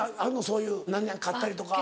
そういう何々飼ったりとか。